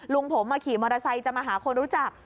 ลุงผมมาขี่มอเตอร์ไซค์จะมาหาคนรู้จัก